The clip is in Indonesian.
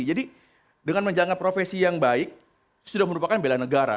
jadi dengan menjalankan profesi yang baik sudah merupakan bela negara